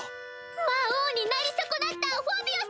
魔王になり損なったフォビオ様！